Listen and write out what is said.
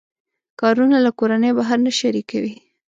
کارونه له کورنۍ بهر نه شریکوي.